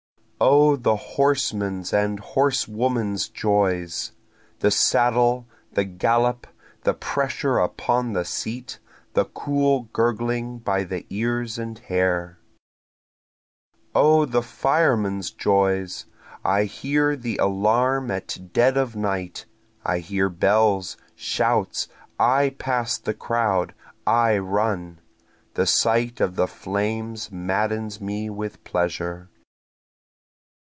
O the horseman's and horsewoman's joys! The saddle, the gallop, the pressure upon the seat, the cool gurgling by the ears and hair. O the fireman's joys! I hear the alarm at dead of night, I hear bells, shouts! I pass the crowd, I run! The sight of the flames maddens me with pleasure.